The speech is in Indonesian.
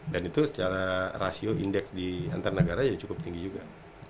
dan itu secara rasio indeks di antar negara ya cukup tinggi juga